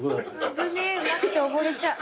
危ねえうまくて溺れちゃう。